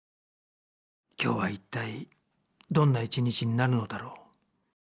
今日は一体どんな１日になるのだろう。